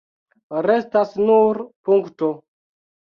Restas nur punkto.